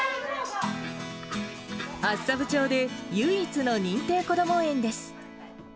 厚沢部町で唯一の認定こども園です。